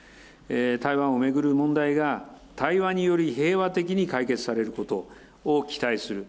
台湾を巡る問題が、対話により平和的に解決されることを期待する。